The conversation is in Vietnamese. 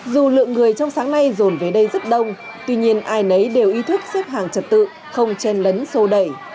dù lượng người trong sáng nay dồn về đây rất đông tuy nhiên ai nấy đều ý thức xếp hàng trật tự không chen lấn sô đẩy